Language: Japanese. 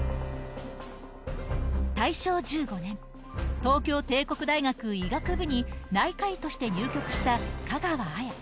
大正１５年、東京帝国大学医学部に、内科医として入局した香川綾。